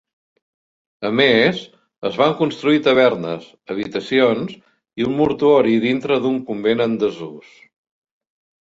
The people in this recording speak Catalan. A més, es van construir tavernes, habitacions i un mortuori dintre d'un convent en desús.